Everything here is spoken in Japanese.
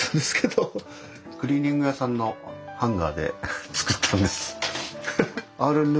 クリーニング屋さんのハンガーで作ったんです。